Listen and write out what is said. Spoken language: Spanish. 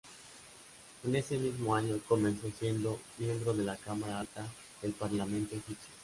En ese mismo año comenzó siendo miembro de la cámara alta del Parlamento Egipcio.